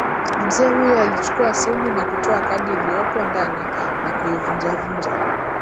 Mzee huyo alichukua simu na kutoa kadi iliyopo ndani na kuivunja vunja